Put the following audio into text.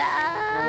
ya allah dah